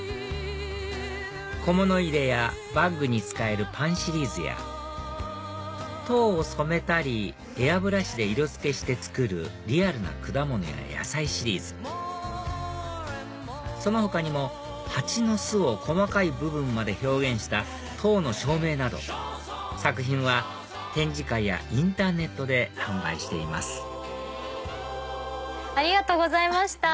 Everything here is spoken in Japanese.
小物入れやバッグに使えるパンシリーズや籐を染めたりエアブラシで色付けして作るリアルな果物や野菜シリーズその他にも蜂の巣を細かい部分まで表現した籐の照明など作品は展示会やインターネットで販売していますありがとうございました。